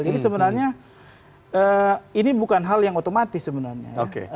jadi sebenarnya ini bukan hal yang otomatis sebenarnya